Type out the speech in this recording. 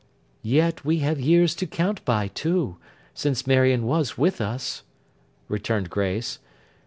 'Yet we have years to count by, too, since Marion was with us,' returned Grace.